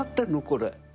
これ。